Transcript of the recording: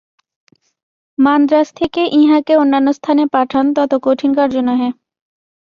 মান্দ্রাজ থেকে ইঁহাকে অন্যান্য স্থানে পাঠান তত কঠিন কার্য নহে।